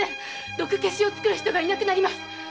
毒消しを作る人がいなくなります！